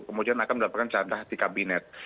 kemudian akan mendapatkan jatah di kabinet